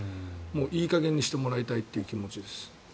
いい加減にしてもらいたいという気持ちです。